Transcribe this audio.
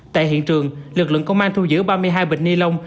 tại hiện trường lực lượng công an thu giữ ba mươi hai bịch ni lông